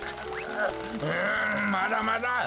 んまだまだ！